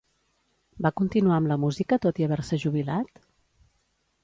Va continuar amb la música tot i haver-se jubilat?